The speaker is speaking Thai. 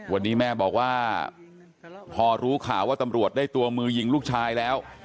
วันนี้แม่บอกว่าพอรู้ข่าวว่าตำรวจได้ตัวมือยิงลูกชายแล้ว